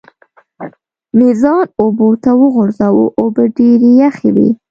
مې ځان اوبو ته وغورځاوه، اوبه ډېرې یخې وې.